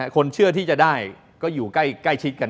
คนเชื่อที่จะได้ก็อยู่ใกล้ชิดกัน